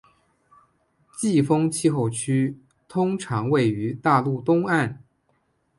季风气候区通常位于大陆东岸